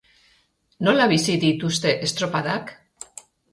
Nola bizi dituzte estropadak?